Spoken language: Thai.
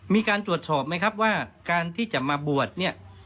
มีการตรวจสอบไหมครับว่าการที่จะมาบวชเนี่ย